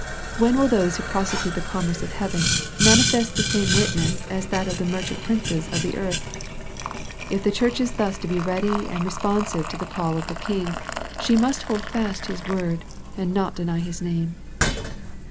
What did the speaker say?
When will those who prosecute the commerce of heaven, manifest the same wisdom as that of the mer chant princes of the earth? If the Church is thus to be ready and responsive to the call of the King she must hold fast His word, and not deny His name.